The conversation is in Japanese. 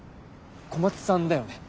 小松さんだよね？